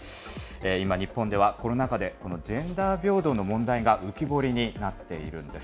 今、日本ではコロナ禍で、このジェンダー平等の問題が浮き彫りになっているんです。